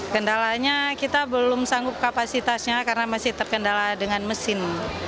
kendalanya kita belum sanggup kapasitasnya karena masih terkendala dengan mesin